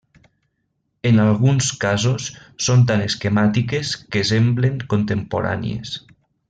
En alguns casos són tan esquemàtiques que semblen contemporànies.